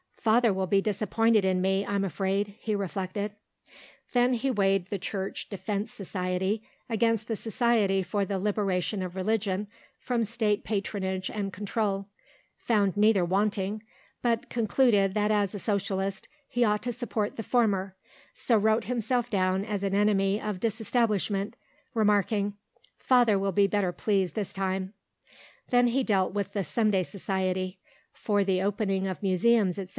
"Father will be disappointed in me, I'm afraid," he reflected. Then he weighed the Church Defence Society against the Society for the Liberation of Religion from State Patronage and Control, found neither wanting, but concluded that as a Socialist he ought to support the former, so wrote himself down an enemy of Disestablishment, remarking, "Father will be better pleased this time." Then he dealt with the Sunday Society (for the opening of museums, etc.